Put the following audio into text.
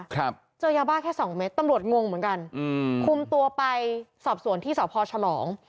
ครับเจอยาบ้าแค่สองเม็ดตำรวจงงเหมือนกันอืมคุมตัวไปสอบสวนที่สพฉลอง